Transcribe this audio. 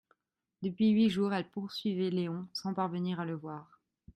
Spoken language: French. Depuis huit jours, elle poursuivait Léon, sans parvenir à le voir.